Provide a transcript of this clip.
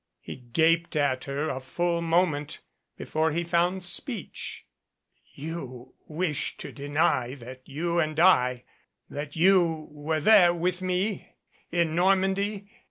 He gaped at her a full moment before he found speech. "You wish to deny that you and I that you were there with me in Normandy?"